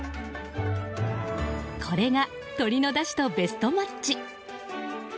これが鶏のだしとベストマッチ。